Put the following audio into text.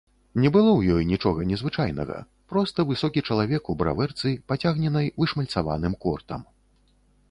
Не было ў ёй нічога незвычайнага, проста высокі чалавек у бравэрцы, пацягненай вышмальцаваным кортам.